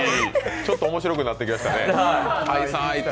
ちょっと面白くなってきだしたね。